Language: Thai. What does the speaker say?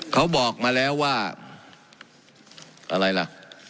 เขาบอกมาแล้วว่าอะไรล่ะ